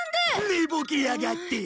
寝ぼけやがって。